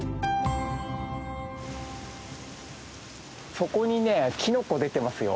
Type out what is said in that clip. そこにねキノコ出てますよ。